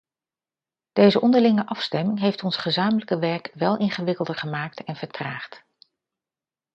Deze onderlinge afstemming heeft ons gezamenlijke werk wel ingewikkelder gemaakt en vertraagd.